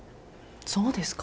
そうですか？